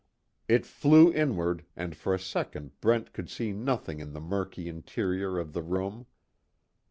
It flew inward and for a second Brent could see nothing in the murky interior of the room.